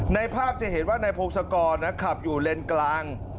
ในภาพจะเห็นว่านายพงศกรขับอยู่เลนกลาง